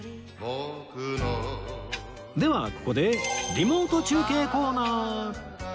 ではここでリモート中継コーナー